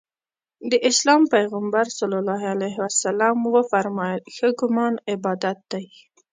د اسلام پیغمبر ص وفرمایل ښه ګمان عبادت دی.